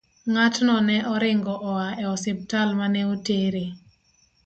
Ng'atno ne oringo oa e osiptal ma ne otere.